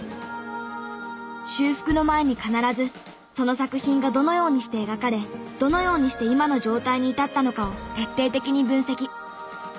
修復の前に必ずその作品がどのようにして描かれどのようにして今の状態に至ったのかを徹底的に分析。